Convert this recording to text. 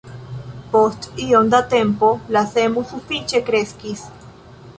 Post iom da tempo, la semo sufiĉe kreskis.